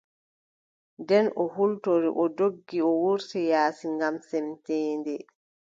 Nden o hultori o doggi o wurti yaasi ngam semteende.